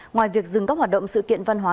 ngoài việc dừng các hoạt động sự kiện văn hóa